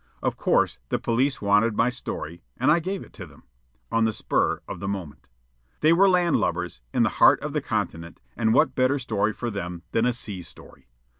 Of course, the police wanted my story, and I gave it to them on the spur of the moment. They were landlubbers, in the heart of the continent, and what better story for them than a sea story?